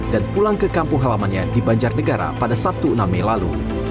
dan pulang ke kampung halamannya di banjarnegara pada sabtu enam mei lalu